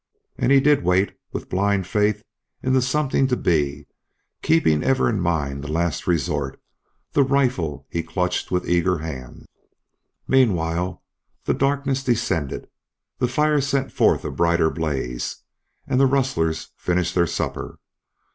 And he did wait with blind faith in the something to be, keeping ever in mind the last resort the rifle he clutched with eager hands. Meanwhile the darkness descended, the fire sent forth a brighter blaze, and the rustlers finished their supper.